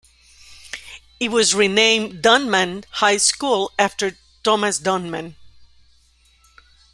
It was renamed Dunman High School after Thomas Dunman.